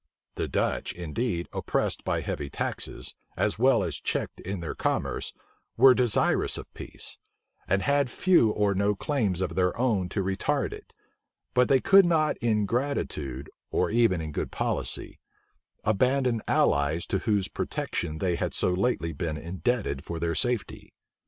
The Dutch, indeed, oppressed by heavy taxes, as well as checked in their commerce, were desirous of peace; and had few or no claims of their own to retard it: but they could not in gratitude, or even in good policy, abandon allies to whose protection they had so lately been indebted for their safety.